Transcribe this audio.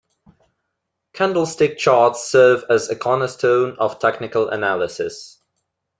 Candlestick charts serve as a cornerstone of technical analysis.